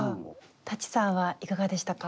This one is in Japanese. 舘さんはいかがでしたか？